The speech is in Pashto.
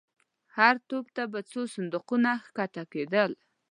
هر توپ ته به څو صندوقونه کښته کېدل.